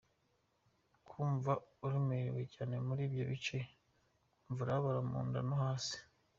Kumva uremerewe cyane muri ibyo bice ukumva urababara mu nda yo hasi.